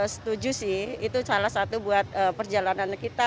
setuju sih itu salah satu buat perjalanan kita